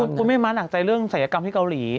คุณแม่ม้าหนักใจเรื่องศัยกรรมที่เกาหลี